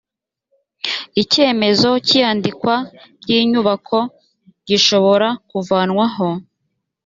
icyemezo cy’iyandikwa ry’inyubako gishobora kuvanwaho